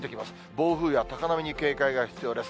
暴風や高波に警戒が必要です。